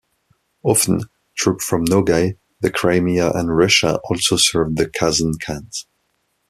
Often, troops from Nogay, the Crimea and Russia also served the Kazan khans.